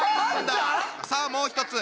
さあもう一つ！